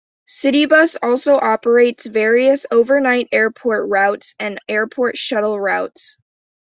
Citybus also operates various Overnight Airport routes and Airport Shuttle Routes.